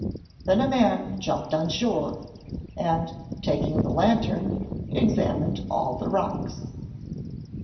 Then a man jumped on shore, and, taking the lantern, examined all the rocks.